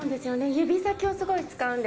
指先をすごい使うんで。